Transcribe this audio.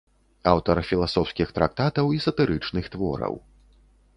Аўтар філасофскіх трактатаў і сатырычных твораў.